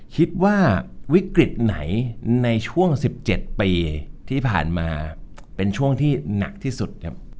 คิดว่าวิกฤตไหนในช่วง๑๗ปีที่ผ่านมาเป็นช่วงที่หนักที่สุดครับ